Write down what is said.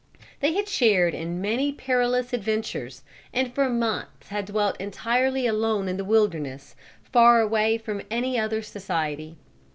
They had shared in many perilous adventures, and for months had dwelt entirely alone in the wilderness, far away from any other society.